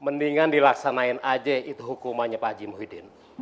mendingan dilaksanakan aja itu hukumannya pak haji muhyiddin